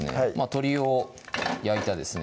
鶏を焼いたですね